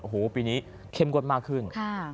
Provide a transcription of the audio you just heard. โอ้โหปีนี้เข้มงวดมากขึ้น